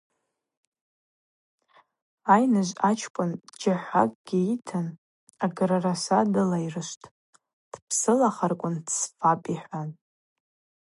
Айныжв ачкӏвын джьахӏвакӏгьи йыйтын агырраса дылайрышвтӏ: Дпсылахарквын дсфапӏ, – йхӏван.